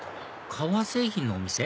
革製品のお店？